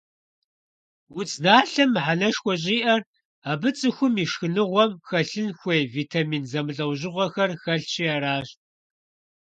Удзналъэм мыхьэнэшхуэ щӀиӀэр абы цӀыхум и шхыныгъуэм хэлъын хуей витамин зэмылӀэужьыгъуэхэр хэлъщи аращ.